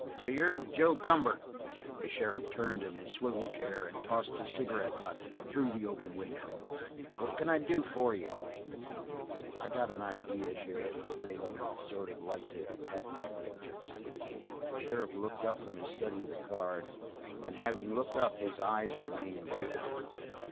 "So you're Joe Cumber?" The sheriff turned in his swivel chair and tossed his cigarette butt through the open window. "What can I do for you?" "I got an idea, sheriff, that maybe you'd sort of like to have my picture." The sheriff looked up from his study of the card, and having looked up his eyes remained riveted.